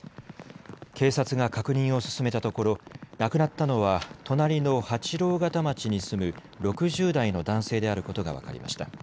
警察が確認を進めたところ亡くなったのは隣の八郎潟町に住む６０代の男性であることが分かりました。